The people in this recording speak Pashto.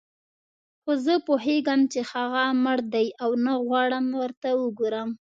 خو زه پوهېږم چې هغه مړ دی او نه غواړم ورته وګورم.